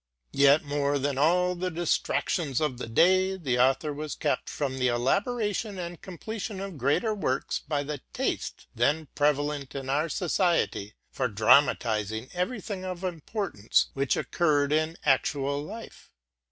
Yet more than by all the diversions of the day, the author was kept from the elaboration and completion of greater works by the taste then prevalent in this society for dramu tizing every thing of importance which occurred in actual life.